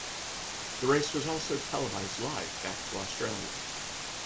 The race was also televised live back to Australia.